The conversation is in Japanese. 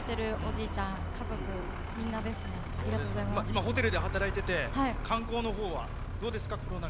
今、ホテルで働いてて観光のほうはどうですか？